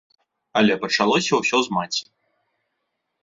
Але пачалося ўсё з маці.